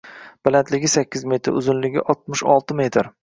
Balandligi sakkiz metr, uzunligi oltmish olti metr.